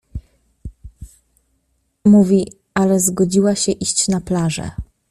Mówi: — Ala zgodziła się iść na plażę.